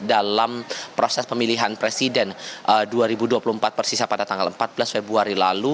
dalam proses pemilihan presiden dua ribu dua puluh empat persisa pada tanggal empat belas februari lalu